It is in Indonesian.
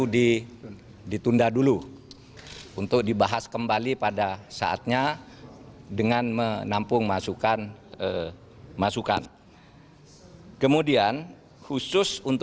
dan juga rancangan yang sudah dinyatakan